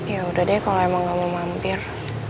ya udah deh kalau emang kamu mampir